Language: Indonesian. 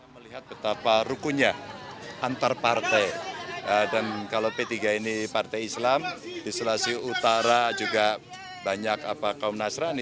melihat betapa rukunya antar partai dan kalau p tiga ini partai islam di sulawesi utara juga banyak kaum nasrani